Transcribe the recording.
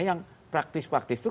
yang praktis praktis itu